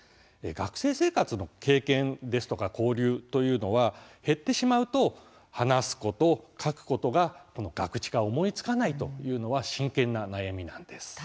学生生活の経験ですとか交流というのは減ってしまうと話すこと、書くことがこのガクチカ、思いつかないというのは真剣な悩みなんです。